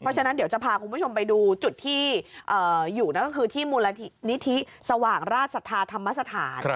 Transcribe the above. เพราะฉะนั้นเดี๋ยวจะพาคุณผู้ชมไปดูจุดที่อยู่นั่นก็คือที่มูลนิธิสว่างราชศรัทธาธรรมสถาน